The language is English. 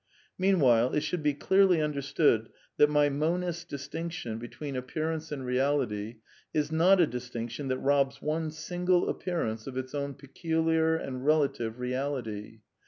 /^ Meanwhile, it should be clearly understood that my jmonisVs distinction between appearance and reality is I not a distinction that robs one single appearance of its /own peculiar and relative reality.